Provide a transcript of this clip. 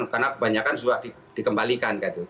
karena kebanyakan sudah dikembalikan gitu